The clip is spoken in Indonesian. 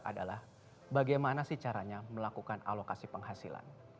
adalah bagaimana sih caranya melakukan alokasi penghasilan